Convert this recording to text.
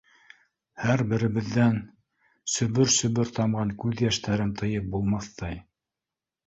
Һәр беребеҙҙән сөбөр-сөбөр тамған күҙ йәштәрен тыйып булмаҫтай.